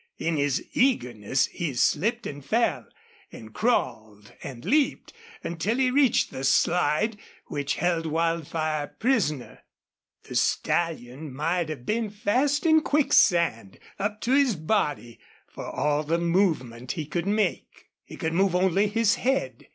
In his eagerness he slipped, and fell, and crawled, and leaped, until he reached the slide which held Wildfire prisoner. The stallion might have been fast in quicksand, up to his body, for all the movement he could make. He could move only his head.